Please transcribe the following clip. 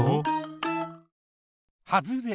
はずれ。